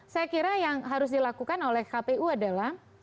saya kira yang harus dilakukan oleh kpu adalah